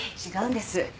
違うんです。